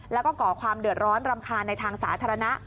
แล้วก็ก่อความเดือดร้อนรำคาญในทางสาธารณะ